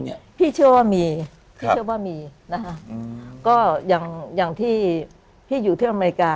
พี่เชื่อว่ามีพี่เชื่อว่ามีนะคะก็อย่างที่พี่อยู่ที่อเมริกา